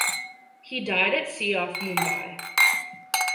He died at sea off Mumbai.